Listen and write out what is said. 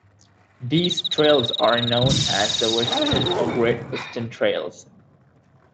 These trails are known as the Western or Great Western trails.